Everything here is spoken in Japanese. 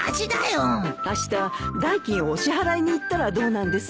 あした代金をお支払いに行ったらどうなんです？